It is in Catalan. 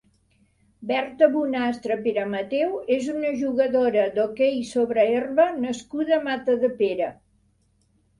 Berta Bonastre Peremateu és una jugadora d'hoquei sobre herba nascuda a Matadepera.